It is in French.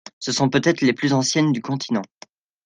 Ce sont peut-être les plus anciennes du continent.